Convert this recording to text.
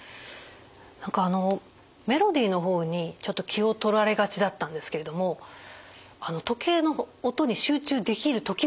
何かあのメロディーの方にちょっと気を取られがちだったんですけれども時計の音に集中できる時もありました。